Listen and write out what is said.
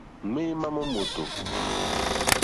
Ŋwěémá mó mòtò.